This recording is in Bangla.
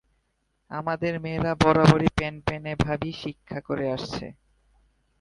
আমাদের মেয়েরা বরাবরই প্যানপেনে ভাবই শিক্ষা করে আসছে।